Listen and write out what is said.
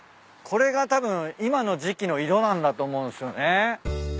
これがたぶん今の時季の色なんだと思うんすよね。